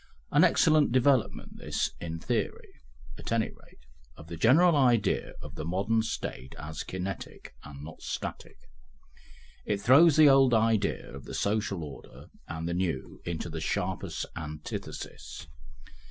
An excellent development this, in theory, at any rate, of the general idea of the modern State as kinetic and not static; it throws the old idea of the social order and the new into the sharpest antithesis.